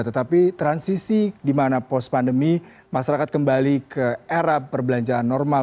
tetapi transisi di mana post pandemi masyarakat kembali ke era perbelanjaan normal